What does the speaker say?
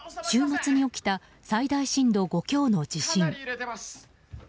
週末に起きた最大震度５強の地震。